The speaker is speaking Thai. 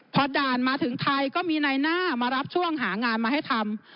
พอด่านมาถึงไทยก็มีนายหน้ามารับช่วงหางานมาให้ทำ